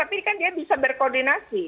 tapi ini kan dia bisa berkoordinasi